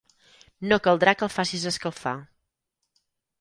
No caldrà que el facis escalfar.